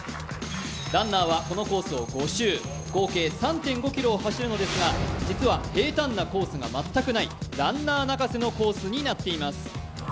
ランナーはこのコースを５週、合計３．５ｋｍを走るのですが実は平たんなコースが全くないランナー泣かせのコースになっております。